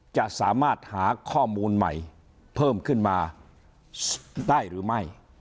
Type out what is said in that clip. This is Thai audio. จะสามารถหาข้อมูลใหม่เพิ่มขึ้นมาได้หรือไม่